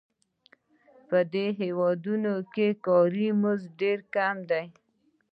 په دې هېوادونو کې کاري مزد ډېر کم دی